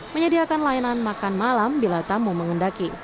menyediakan layanan makan malam bila tamu mengendaki